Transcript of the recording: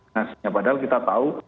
padahal kita tahu